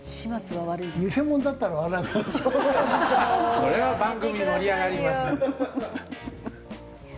それは番組盛り上がりますね。